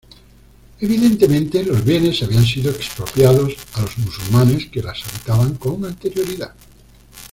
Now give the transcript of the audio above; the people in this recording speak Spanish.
Evidentemente, los bienes habían sido expropiados a los musulmanes que las habitaban con anterioridad.